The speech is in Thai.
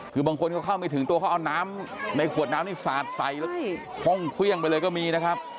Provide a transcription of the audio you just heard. คือบางคนเขาเข้าไม่ถึงตัวเขาเอาน้ำในขวดน้ำนี่สาดใส่แล้วห้องเครื่องไปเลยก็มีนะครับ